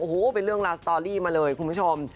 โอ้โหเป็นเรื่องราวสตอรี่มาเลยคุณผู้ชม